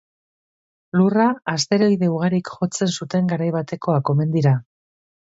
Lurra asteroide ugarik jotzen zuten garai batekoak omen dira.